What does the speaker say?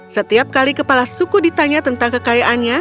setiap kali kepala suku ditanya tentang kekayaannya